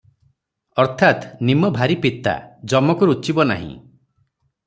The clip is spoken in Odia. ଅର୍ଥାତ୍ ନିମ ଭାରି ପିତା, ଯମକୁ ରୁଚିବ ନାହିଁ ।